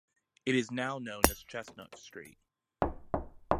It is now known as Chestnut Street.